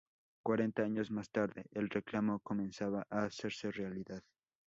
Cuarenta años más tarde, el reclamo comenzaba a hacerse realidad.